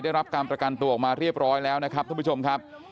ได้รับการประกันตัวออกมาเรียบร้อยแล้วนะครับท่านผู้ชมครับ